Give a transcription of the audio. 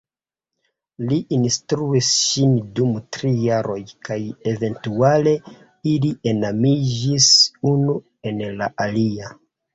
Li instruis ŝin dum tri jaroj kaj eventuale ili enamiĝis unu en la alia.